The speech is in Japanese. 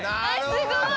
すごい！